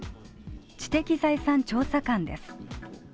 知的財産調査官です。